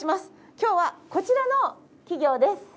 今日はこちらの企業です！